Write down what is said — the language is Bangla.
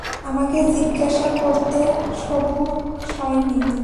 আমাকে জিজ্ঞাসা করতে সবুর সয় নি?